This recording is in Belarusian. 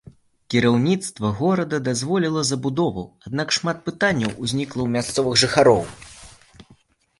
Кіраўніцтва горада дазволіла забудову, аднак шмат пытанняў узнікла ў мясцовых жыхароў.